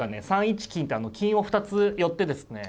３一金ってあの金を２つ寄ってですね